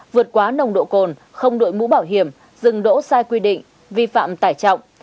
vượt quá nồng độ cồn không đội mũ bảo hiểm dừng đỗ sai quy định vi phạm tải trọng